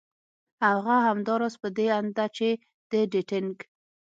هغه همدا راز په دې اند ده چې د ډېټېنګ